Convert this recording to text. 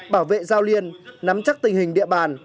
bảo vệ giao liên nắm chắc tình hình địa bàn